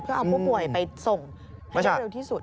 เพื่อเอาผู้ป่วยไปส่งให้ได้เร็วที่สุด